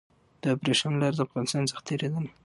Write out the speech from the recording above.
د ابريښم لار د افغانستان څخه تېرېدله.